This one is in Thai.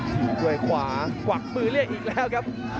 ถีบด้วยขวากวักมือเรียกอีกแล้วครับ